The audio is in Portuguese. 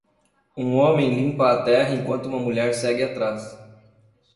Um homem limpa a terra enquanto uma mulher segue atrás.